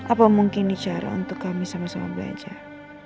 apa mungkin nih cara untuk kami sama sama belajar